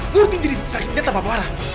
murti jadi sakitnya tanpa marah